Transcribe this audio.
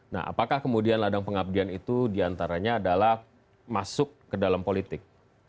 nah apakah kemudian ladang pengabdian itu diantaranya adalah masuk ke dalam politik